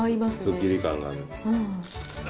すっきり感がある。